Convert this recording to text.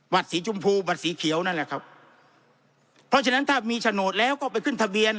สีชมพูบัตรสีเขียวนั่นแหละครับเพราะฉะนั้นถ้ามีโฉนดแล้วก็ไปขึ้นทะเบียน